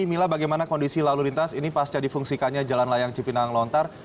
mila bagaimana kondisi lalu lintas ini pas jadi fungsikannya jalan layang cipinang lontar